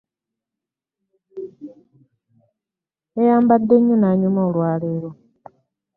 Yayambadde nnyo nanyuma olwaleero.